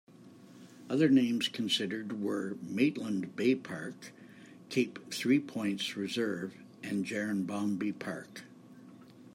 Other names considered were "Maitland Bay Park", "Cape Three Points Reserve" and "Gerrinbombi Park".